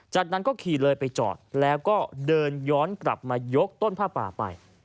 จากนั้นก็ขี่เลยไปจอดแล้วก็เดินย้อนกลับมายกต้นผ้าป่าไป